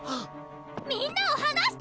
みんなを放して！